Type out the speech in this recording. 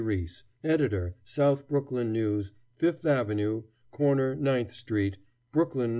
Riis, Editor South Brooklyn News, Fifth Avenue cor. Ninth Street, Brooklyn, N.